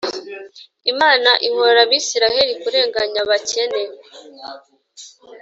Imana ihora Abisirayeli kurenganya abakene